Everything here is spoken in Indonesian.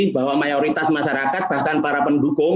bahwa mayoritas masyarakat bahkan para pendukung